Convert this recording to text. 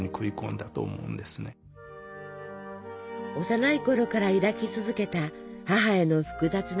幼いころから抱き続けた母への複雑な思い。